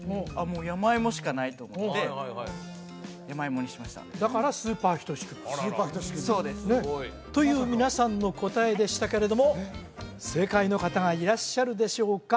もう山芋しかないと思って山芋にしましただからスーパーヒトシ君そうですという皆さんの答えでしたけれども正解の方がいらっしゃるでしょうか？